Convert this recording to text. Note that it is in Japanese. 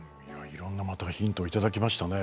いろんなヒントをいただきましたね。